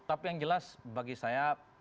tapi yang jelas bagi saya